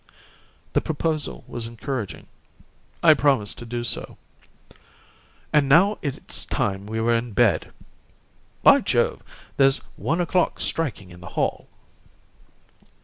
The proposal was encouraging. I promised to do so. "And now it's time we were in bed. By Jove, there's one o'clock striking in the hall."